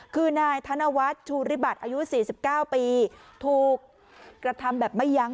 คือนายธนวาสชูริบัตรอายุสี่สิบเก้าปีถูกกระทำแบบไม่ยั้ง